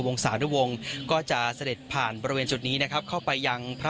สารวงศ์ก็จะเสด็จผ่านบริเวณจุดนี้นะครับเข้าไปยังพระ